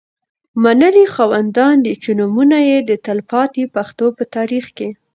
منلي خاوندان دي. چې نومونه یې د تلپا تي پښتو په تاریخ کي